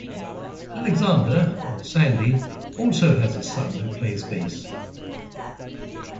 Alexander or 'Sandy' also has a son who plays bass.